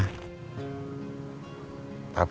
gak ada apa apa